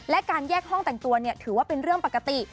และการแยกห้องแต่งตัวถือว่าเป็นเรื่องปกติ